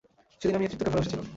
সেদিনই আমি নেতৃত্বকে ভালবেসেছিলাম।